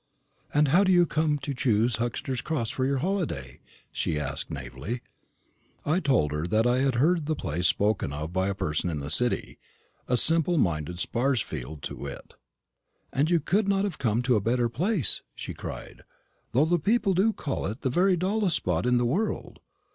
"And how did you come to choose Huxter's Cross for your holiday?" she asked naïvely. I told her that I had heard the place spoken of by a person in the city my simple minded Sparsfield to wit. "And you could not have come to a better place," she cried, "though people do call it the very dullest spot in the world.